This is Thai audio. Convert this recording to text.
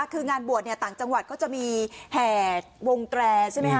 คืองานบวชต่างจังหวัดก็จะมีแห่วงแตรใช่ไหมคะ